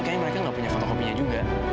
kayaknya mereka gak punya foto kopinya juga